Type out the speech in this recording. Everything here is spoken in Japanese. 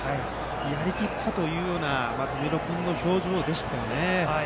やり切ったというような友廣君の表情でしたよね。